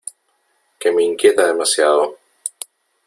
que me inquieta demasiado .